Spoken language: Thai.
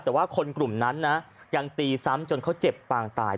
แต่ว่าคนกลุ่มนั้นนะยังตีซ้ำจนเขาเจ็บปางตาย